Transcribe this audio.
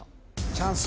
チャンス